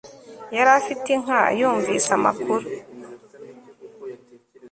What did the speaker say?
Yari afite inka yumvise amakuru